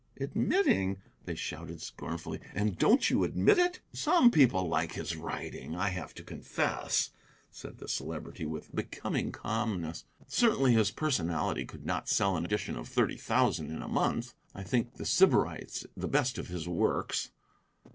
"Admitting?" they shouted scornfully, "and don't you admit it?" "Some people like his writing, I have to confess," said the Celebrity, with becoming calmness; "certainly his personality could not sell an edition of thirty thousand in a month. I think 'The Sybarites' the best of his works."